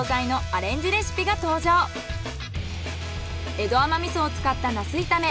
江戸甘味噌を使ったナス炒め。